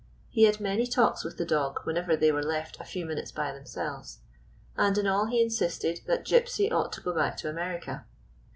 He had many talks with the dog, whenever they were left a few minutes by themselves, and in all he insisted that Gypsy ought to go back to America.